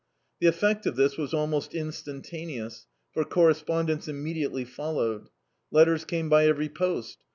The effa:t of this was almost instantaneous, for correspondence immedi ately followed. Letters came by every post.